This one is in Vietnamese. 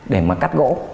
để mà cắt gỗ